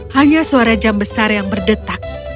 hanya suara jam besar yang berdetak